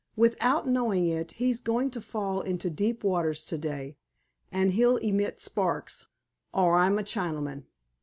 Without knowing it, he's going to fall into deep waters to day, and he'll emit sparks, or I'm a Chinaman....